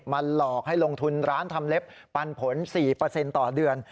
หลอกให้ลงทุนร้านทำเล็บปันผล๔ต่อเดือน